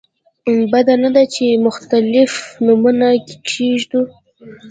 بده نه ده چې مختلف نومونه کېږدو.